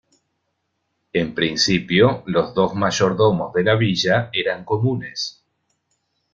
En principio, los dos mayordomos de la villa eran comunes.